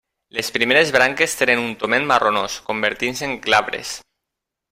Les primeres branques tenen un toment marronós, convertint-se en glabres.